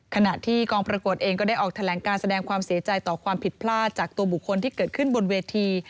ขณะที่กองประกวดเองก็ได้ออกแถลงการแสดงความเสียใจต่อความผิดพลาดจากตัวบุคคลที่เกิดขึ้นบนเวที